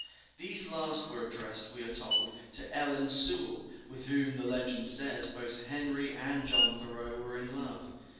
These last were addressed, we are told, to Ellen Sewall, with whom, the legend says, both Henry and John Thoreau were in love.